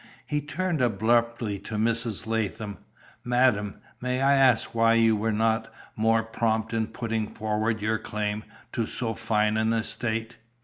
He turned abruptly to Mrs. Latham. "Madam, may I ask why you were not more prompt in putting forward your claim to so fine an estate?"